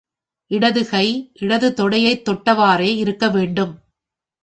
இடது கை, இடது தொடையைத் தொட்டவாறே இருக்க வேண்டும்.